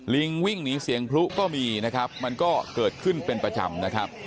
ลิงวิ่งหนีเสียงพลุก็มีมันก็เกิดขึ้นเป็นประจำ